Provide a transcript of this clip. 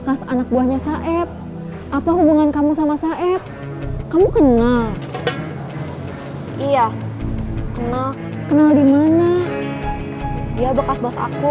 kamu sendiri gak matiin hp